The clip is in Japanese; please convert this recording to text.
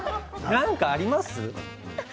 何かありますか？